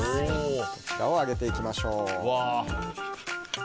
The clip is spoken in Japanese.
こちらをあげていきましょう。